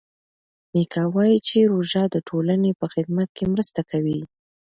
میکا وايي چې روژه د ټولنې په خدمت کې مرسته کوي.